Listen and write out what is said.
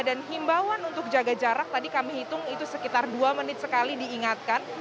dan himbauan untuk jaga jarak tadi kami hitung itu sekitar dua menit sekali diingatkan